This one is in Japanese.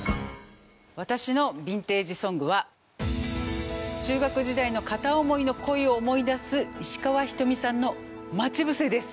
私のヴィンテージ・ソングは中学時代の片思いの恋を思い出す石川ひとみさんの『まちぶせ』です。